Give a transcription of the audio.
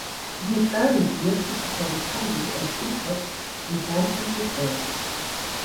In his early years, he performed comedy and improv in San Francisco.